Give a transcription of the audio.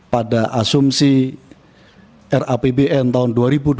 pada asumsi rapbn tahun dua ribu dua puluh